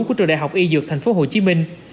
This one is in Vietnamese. của trường đại học y dược thành phố hồ chí minh